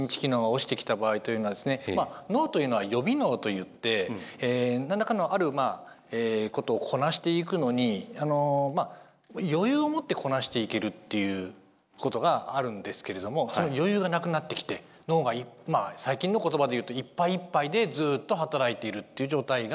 脳というのは予備脳といって何らかのあることをこなしていくのに余裕を持ってこなしていけるっていうことがあるんですけれどもその余裕がなくなってきて脳が最近の言葉で言うといっぱいいっぱいでずっと働いているっていう状態が続いているのではないか。